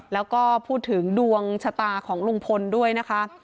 แล้วก็พูดถึงดวงชะตาของลุงพลด้วยนะคะ